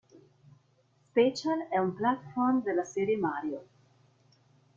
Special è un platform della serie Mario.